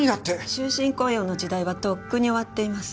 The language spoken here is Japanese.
終身雇用の時代はとっくに終わっています。